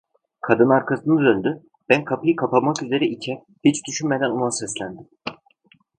Kadın arkasını döndü, ben kapıyı kapamak üzere iken, hiç düşünmeden ona seslendim.